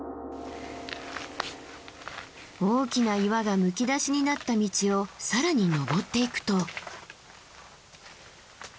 大きな岩がむき出しになった道を更に登っていくと。